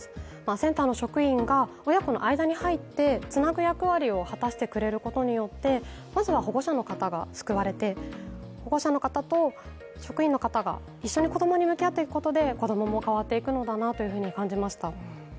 センターの職員が親子の間に入ってつなぐ役割を果たしてくれることによってまずは保護者の方が救われて保護者の方と職員の方が一緒に子供に向き合っていくことで子供も変わっていくのだなと感じました。